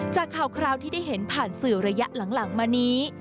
จากข่าวคราวที่ได้เห็นผ่านสื่อระยะหลังมานี้